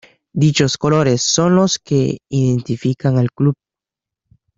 Dichos colores son los que identifican al club.